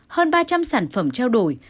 hơn ba trăm linh sản phẩm trao đổi